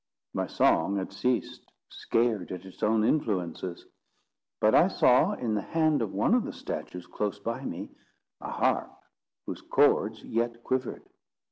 My song had ceased, scared at its own influences. But I saw in the hand of one of the statues close by me, a harp whose chords yet quivered.